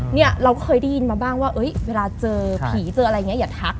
เนี่ยเราเคยได้ยินมาบ้างว่าเวลาเจอผีเจออะไรอย่างนี้อย่าทัก